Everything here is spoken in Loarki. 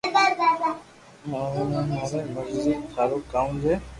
مارو من ماري مرزي ٿارو ڪاو جي